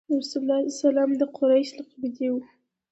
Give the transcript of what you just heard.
رسول الله ﷺ د قریش له قبیلې وو.